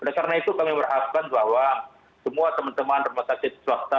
oleh karena itu kami berharapkan bahwa semua teman teman rumah sakit swasta